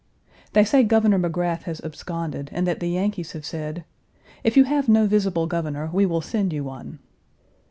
They say Governor Magrath has absconded, and that the Yankees have said, "If you have no visible governor, we will send you one."